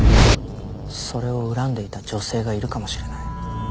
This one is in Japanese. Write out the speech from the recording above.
それを恨んでいた女性がいるかもしれない。